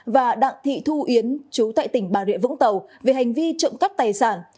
và đặng thị thu yến chú tại tỉnh bà rịa vũng tàu về hành vi trộm cắp tài sản